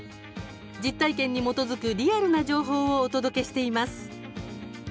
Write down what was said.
実体験に基づくリアルな情報をお届けしています。